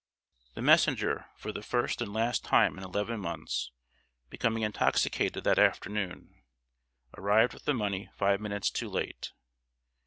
The messenger, for the first and last time in eleven months, becoming intoxicated that afternoon, arrived with the money five minutes too late.